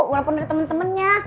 walaupun ada temen temennya